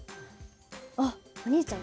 あっお兄ちゃん